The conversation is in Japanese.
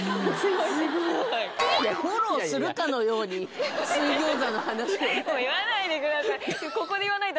いやフォローするかのように水餃子の話とかもう言わないでください！